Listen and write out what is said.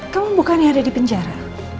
kamu bukan yang ada di penjara